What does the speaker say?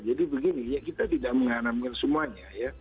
jadi begini ya kita tidak mengharamkan semuanya ya